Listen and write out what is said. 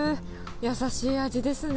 優しい味ですね。